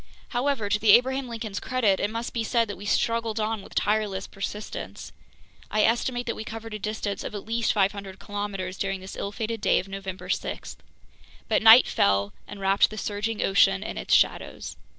However, to the Abraham Lincoln's credit, it must be said that we struggled on with tireless persistence. I estimate that we covered a distance of at least 500 kilometers during this ill fated day of November 6. But night fell and wrapped the surging ocean in its shadows.